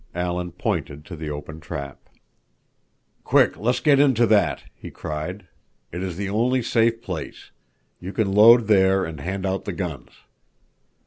Alan pointed to the open trap. "Quick, get into that!" he cried. "It is the only safe place. You can load there and hand out the guns."